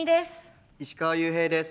石川裕平です。